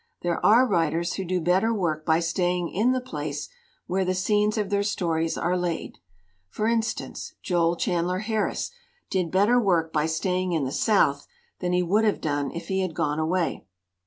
There are writers who do better work by staying in the place where the scenes of their stories are laid. For instance, Joel Chandler Harris did better work by staying in the South than he would have done if he had gone away."